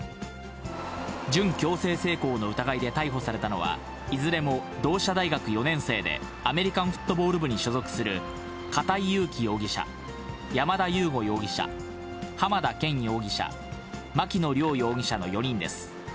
準強制性交の疑いで逮捕されたのは、いずれも同志社大学４年生で、アメリカンフットボール部に所属する、片井裕貴容疑者、山田悠護容疑者、浜田健容疑者、牧野稜容疑者の４人です。